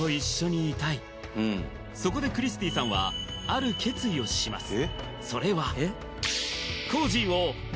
そこでクリスティさんはある決意をします